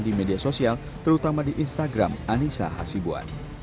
di media sosial terutama di instagram anissa hasibuan